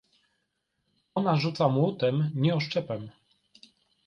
Ona rzuca młotem, nie oszczepem.